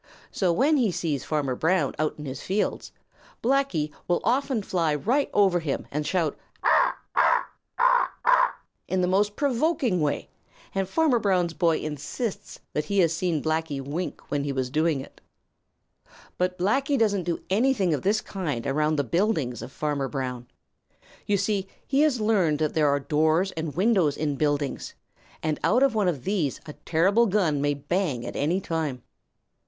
So when he sees Farmer Brown out in his fields, Blacky often will fly right over him and shout "Caw, caw, caw, ca a w!" in the most provoking way, and Fanner Brown's boy insists that he has seen Blacky wink when he was doing it. But Blacky doesn't do anything of this kind around the buildings of Farmer Brown. You see, he has learned that there are doors and windows in buildings, and out of one of these a terrible gun may bang at any time.